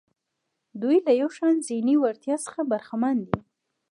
دوی له یو شان ذهني وړتیا څخه برخمن دي.